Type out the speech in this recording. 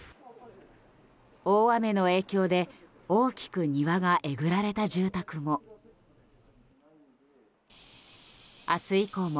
大雨の影響で大きく庭がえぐられた住宅も。